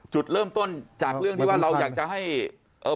จุดเริ่มต้นจากเรื่องที่ว่าเราอยากจะให้